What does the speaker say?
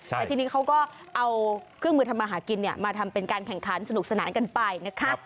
แต่ทีนี้เขาก็เอาเครื่องมือทำมาหากินมาทำเป็นการแข่งขันสนุกสนานกันไปนะคะ